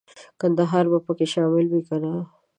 کندهار به پکې شامل وي کنه.